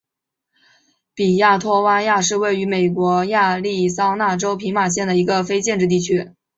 比亚托瓦亚是位于美国亚利桑那州皮马县的一个非建制地区。